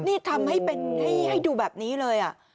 นี่ทำให้เป็นให้ดูแบบนี้เลย